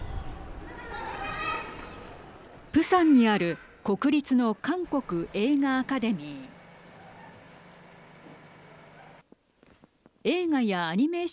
プサンにある国立の韓国映画アカデミー。